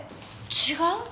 違う？